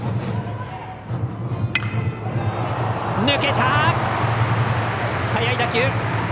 抜けた！